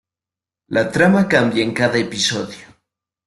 La trama cambia en cada episodio.